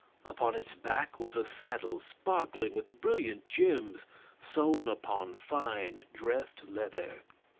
Upon its back was a saddle sparkling with brilliant gems sewn upon fine dressed leather.